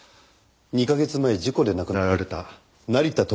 ２カ月前事故で亡くなられた成田知子教授の。